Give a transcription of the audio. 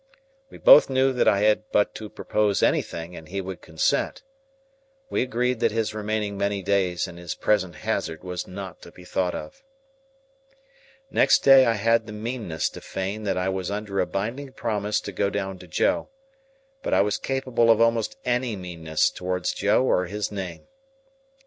We both knew that I had but to propose anything, and he would consent. We agreed that his remaining many days in his present hazard was not to be thought of. Next day I had the meanness to feign that I was under a binding promise to go down to Joe; but I was capable of almost any meanness towards Joe or his name.